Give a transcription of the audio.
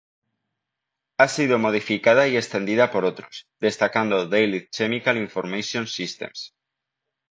Ha sido modificada y extendida por otros, destacando Daylight Chemical Information Systems Inc.